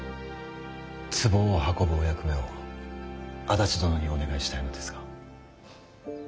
壺を運ぶお役目を安達殿にお願いしたいのですが。